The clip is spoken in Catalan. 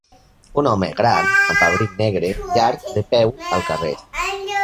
Un home gran amb abric negre llarg de peu al carrer.